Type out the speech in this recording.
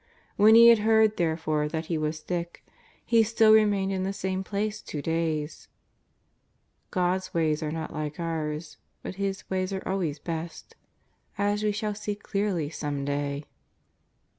When He had heard, therefore, that he was sick. He still re mained in the same place two days." God's ways are not like ours. But His ways sse always best, as we shall see clearly some day.